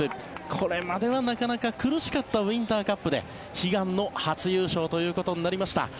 これまではなかなか苦しかったウインターカップで悲願の初優勝となりました。